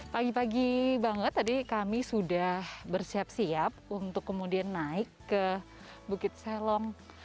pagi pagi banget tadi kami sudah bersiap siap untuk kemudian naik ke bukit selong